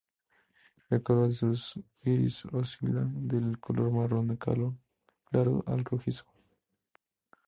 El color de su iris oscila del color marrón claro al rojizo.